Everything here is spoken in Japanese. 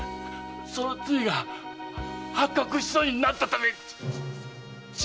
その罪が発覚しそうになったため自害したと！